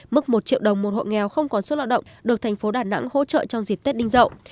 mức một triệu đồng một hộ nghèo không còn sức lao động được tp đà nẵng hỗ trợ trong dịp tết đinh dậu